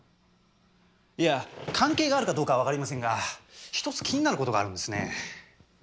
いや関係があるかどうか分かりませんが１つ気になる事があるんですね。